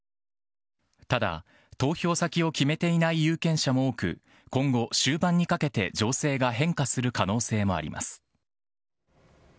ただ、投票先を決めていない有権者も多く、今後、終盤にかけて情勢が変化する可能性もあります。